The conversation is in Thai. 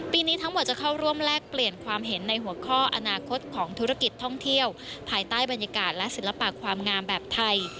นี้ทั้งหมดจะเข้าร่วมแลกเปลี่ยนความเห็นในหัวข้ออนาคตของธุรกิจท่องเที่ยวภายใต้บรรยากาศและศิลปะความงามแบบไทย